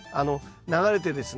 流れてですね